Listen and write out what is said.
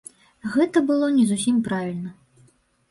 Гэта было не зусім правільна.